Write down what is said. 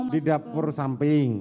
di dapur samping